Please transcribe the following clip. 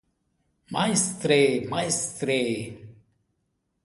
Majstre, majstre!